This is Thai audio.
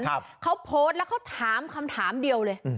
เขาโพสต์แล้วเขาถามคำถามเดียวเลยอืม